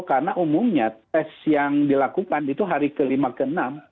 karena umumnya tes yang dilakukan itu hari ke lima ke enam